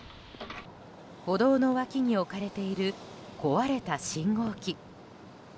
歩道の脇に置かれている壊れた信号機。